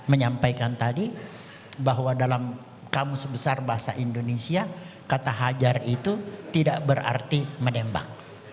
menyampaikan tadi bahwa dalam kamus besar bahasa indonesia kata hajar itu tidak berarti menembak